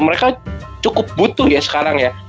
mereka cukup butuh ya sekarang ya